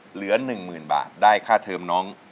เหลือ๑๐๐๐บาทได้ค่าเทิมน้อง